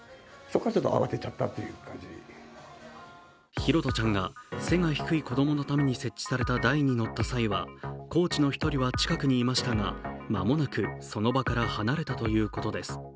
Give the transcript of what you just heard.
拓杜ちゃんが背が低い子供のために設置された台に乗った際はコーチの１人は近くにいましたが間もなくその場から離れたということです。